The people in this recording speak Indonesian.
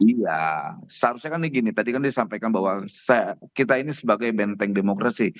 iya seharusnya kan gini tadi kan disampaikan bahwa kita ini sebagai benteng demokrasi